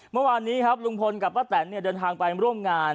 เมื่อวานนี้ครับลุงพลกับป้าแตนเดินทางไปร่วมงาน